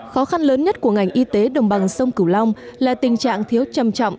khó khăn lớn nhất của ngành y tế đồng bằng sông cửu long là tình trạng thiếu trầm trọng